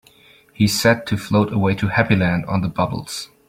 He said to float away to Happy Land on the bubbles.